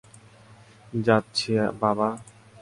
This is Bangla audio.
যাচ্ছি, বাবা।